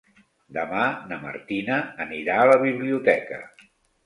Demà na Martina anirà a la biblioteca.